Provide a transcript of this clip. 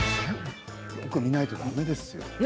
よく見ないと、だめですよ。